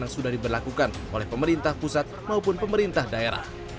yang sudah diberlakukan oleh pemerintah pusat maupun pemerintah daerah